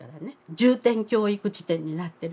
重点教育地点になってるから。